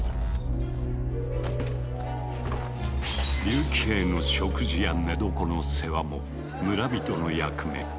竜騎兵の食事や寝床の世話も村人の役目。